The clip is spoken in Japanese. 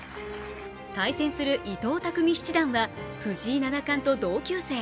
対戦する伊藤匠七段は藤井七冠と同級生。